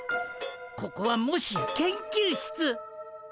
ここはもしや研究室。